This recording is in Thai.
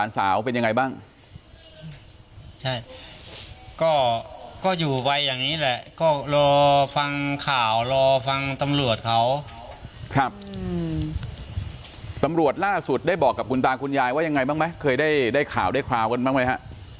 ใช่ก็อยู่ไว้อย่างนี้แหละก็รอฟังข่าวรอฟังตำรวจเขาครับตำรวจล่าสุดได้บอกกับคุณตาคุณยายว่ายังไงบ้างไหมเคยได้ข่าวได้ข่าวกันบ้างไหมฮะ